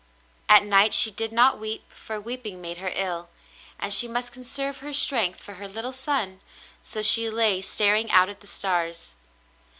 At night she did not weep, for weeping made her ill, and she must conserve her strength for her little son, so she lay staring out at the stars.